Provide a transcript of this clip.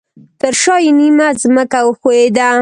ترشاه یې نیمه ځمکه وښویده